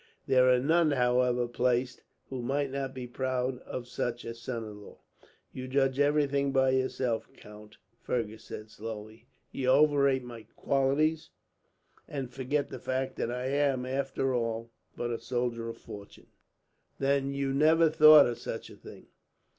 There are none, however placed, who might not be proud of such a son in law." "You judge everyone by yourself, count," Fergus said slowly. "You overrate my qualities, and forget the fact that I am, after all, but a soldier of fortune." "Then you never thought of such a thing?"